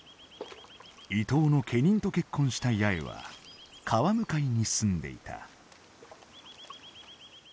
伊東の家人と結婚した八重は川向かいに住んでいた。